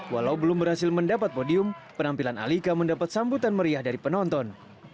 walau belum berhasil mendapat podium penampilan alika mendapat sambutan meriah dari penonton